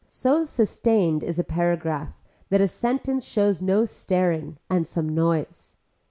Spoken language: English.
So sustained is a paragraph that a sentence shows no staring and some noise.